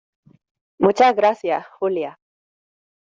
muchas gracias, Julia.